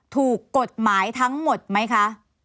ถูกกฎหมายทั้งหมดไหมคะ